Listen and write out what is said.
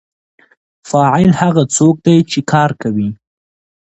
فاعل هغه څوک دی چې کار کوي.